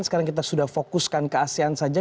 sekarang kita sudah fokuskan ke asean saja